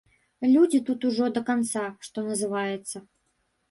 Людзі тут ужо да канца, што называецца.